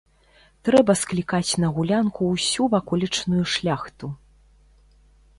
Трэба склікаць на гулянку ўсю ваколічную шляхту.